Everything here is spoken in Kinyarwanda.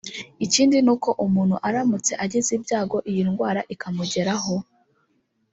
Ikindi ni uko umuntu aramutse agize ibyago iyi ndwara ikamugeraho